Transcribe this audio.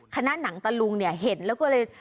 หนังตะลุงเนี่ยเห็นแล้วก็เลย